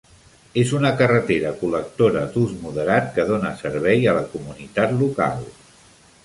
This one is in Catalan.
És una carretera col·lectora d'ús moderat que dóna servei a la comunitat local.